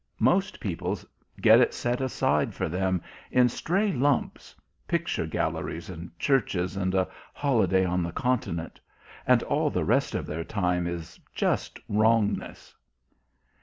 Most people get it set aside for them in stray lumps picture galleries and churches and a holiday on the Continent. And all the rest of their time is just wrongness."